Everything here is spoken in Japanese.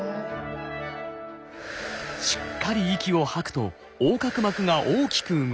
しっかり息を吐くと横隔膜が大きく動きセンサーが反応。